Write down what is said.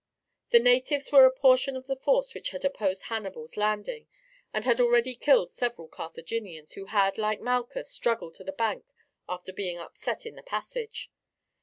The natives were a portion of the force which had opposed Hannibal's landing, and had already killed several Carthaginians who had, like Malchus, struggled to the bank after being upset in the passage.